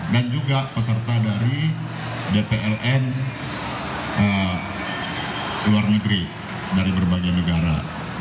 dan juga peserta dari dpln luar negeri dari berbagai negara